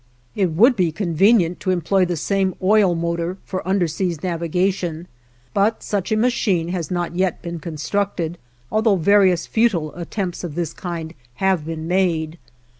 It would be convenient to employ the same oil motor for underseas navigation, but such a machine has not yet been constructed, although various futile attempts of this kind have been made.